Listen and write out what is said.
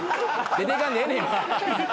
出ていかんでええねん。